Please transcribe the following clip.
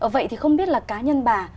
vậy thì không biết là cá nhân bà